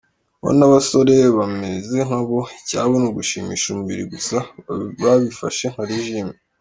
Bo n’abasore bameze nkabo, icyabo ni ugushimisha umubiri gusa, babifashe nka “régime”.